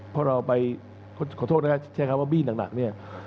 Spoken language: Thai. พอเราไปขอโทษนะครับแชร์ครับว่าบี้หนักเนี่ย